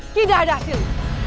tidak ada hasil